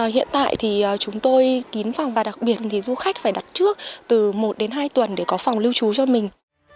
hiện tại thì chúng tôi kín phòng và đặc biệt thì du khách phải đặt trước từ một đến hai tuần để có phòng lưu trú cho mình